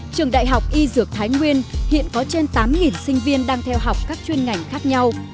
trường đại học y dược thái nguyên hiện có trên tám sinh viên đang theo học các chuyên ngành khác nhau